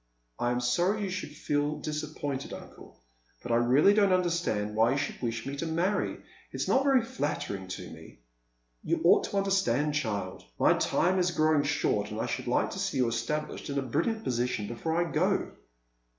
" I am sorry you should feel disappointed, uncle. But I really don't understand why you should wish me to marry. It's not very flattering to me." " You ought to understand, child. My time is growing short, and I should hke to see you established in a brilliant position before I go."